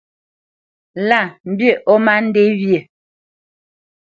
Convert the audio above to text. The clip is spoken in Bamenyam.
Lâ mbî ó má ndê wyê.